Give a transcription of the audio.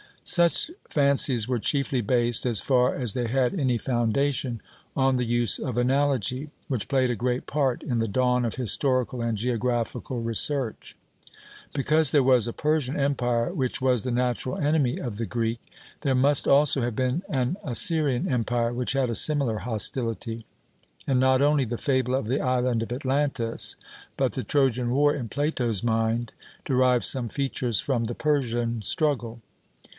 Such fancies were chiefly based, as far as they had any foundation, on the use of analogy, which played a great part in the dawn of historical and geographical research. Because there was a Persian empire which was the natural enemy of the Greek, there must also have been an Assyrian empire, which had a similar hostility; and not only the fable of the island of Atlantis, but the Trojan war, in Plato's mind derived some features from the Persian struggle.